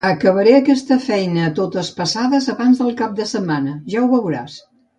Acabaré aquesta feina a totes passades abans del cap de setmana, ja ho veuràs.